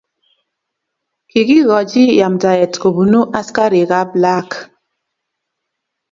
kikikochi yamtaet kubunu askarikab laak.